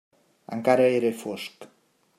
Encara era fosc.